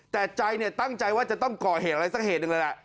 แต่ใจเนี่ยตั้งใจว่าจะต้องก่อเหตุอะไรสักเหตุหนึ่งเลยล่ะ